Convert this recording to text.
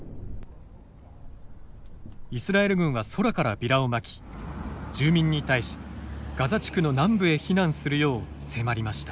イスラエル軍は空からビラをまき住民に対しガザ地区の南部へ避難するよう迫りました。